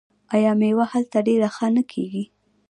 آیا میوه هلته ډیره ښه نه کیږي؟